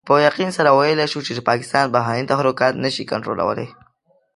په يقين سره ويلای شو چې پاکستان بهرني تحرکات نشي کنټرولولای.